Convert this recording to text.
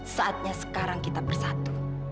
saatnya sekarang kita bersatu